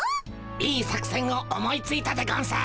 いい作せんを思いついたでゴンス。